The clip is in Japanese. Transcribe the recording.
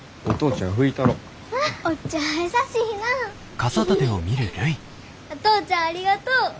お父ちゃんありがとう。